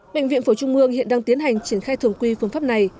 bệnh viện phổi trung ương hiện đang tiến hành triển khai thường quy phương pháp này